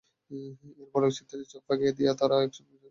এরপর আলোকচিত্রীদের চোখ ফাঁকি দিয়ে তাঁরা একসময় ভিড়ের মধ্যে হারিয়ে যান।